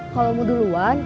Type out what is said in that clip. kalo mau duluan